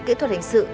kỹ thuật hình sự